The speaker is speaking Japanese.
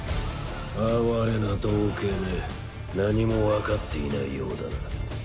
哀れな道化め何もわかっていないようだな。